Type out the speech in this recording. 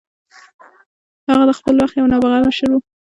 هغه د خپل وخت یو نابغه مشر و.